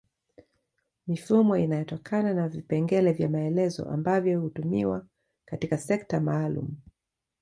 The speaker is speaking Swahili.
Mifumo inayotokana na vipengele vya maelezo ambavyo hutumiwa katika sekta maalum